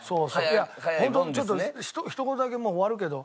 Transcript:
本当ちょっとひと言だけもう終わるけど。